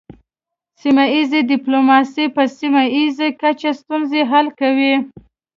سیمه ایز ډیپلوماسي په سیمه ایزه کچه ستونزې حل کوي